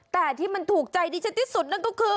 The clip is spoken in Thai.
แต่ที่มันถูกใจดิฉันที่สุดนั่นก็คือ